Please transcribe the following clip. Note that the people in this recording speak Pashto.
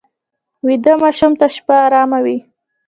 ویده ماشوم ته شپه ارامه وي